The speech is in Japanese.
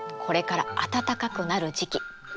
これから暖かくなる時期。